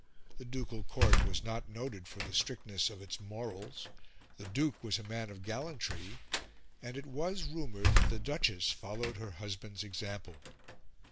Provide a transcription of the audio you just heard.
The ducal court was not noted for the strictness of its morals; the Duke was a man of gallantry, and it was rumoured that the Duchess followed her husband's example.